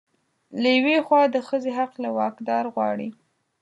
له يوې خوا د ښځې حق له واکدار غواړي